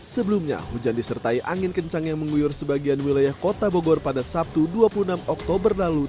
sebelumnya hujan disertai angin kencang yang menguyur sebagian wilayah kota bogor pada sabtu dua puluh enam oktober lalu